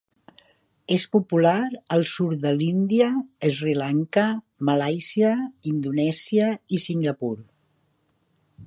És popular al sud de l'Índia, Sri Lanka, Malàisia, Indonèsia i Singapur.